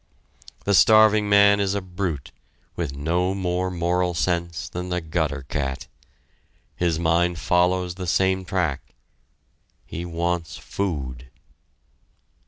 The starving man is a brute, with no more moral sense than the gutter cat. His mind follows the same track he wants food...